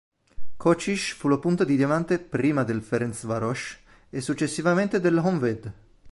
Kocsis fu la punta di diamante prima del Ferencváros e successivamente dell'Honvéd.